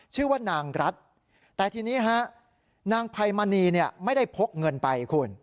ชื่อว่านางรัฐแต่ทีนี้นางพัยมณีไม่ได้พกเงินไปคุณ